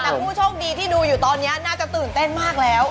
แต่ผู้โชคดีที่ดูอยู่ตอนนี้น่าจะตื่นเต้นมากแล้ว